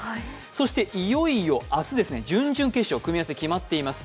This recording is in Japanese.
そしていよいよ明日、準々決勝組み合わせ決まっています。